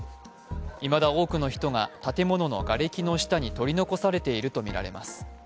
いまだ多くの人が建物のがれきの下に取り残されているとみられます。